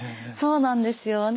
そうなんですよ。